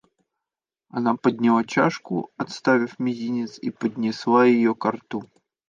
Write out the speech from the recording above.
Она подняла чашку, отставив мизинец, и поднесла ее ко рту.